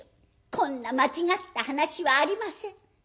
こんな間違った話はありません。